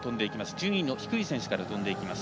順位の低い選手から跳んでいきます。